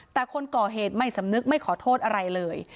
แต่คนก่อเหตุไม่สำนึกไม่ขอโทษอะไรเลย